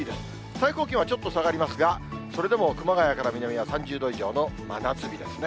最高気温はちょっと下がりますが、それでも熊谷から南は３０度以上の真夏日ですね。